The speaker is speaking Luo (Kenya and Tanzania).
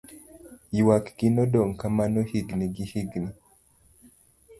yuak gi nodong' kamano higni gihigni